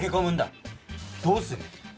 どうする？